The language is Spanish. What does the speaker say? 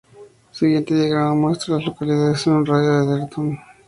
El siguiente diagrama muestra a las localidades en un radio de de Edgerton.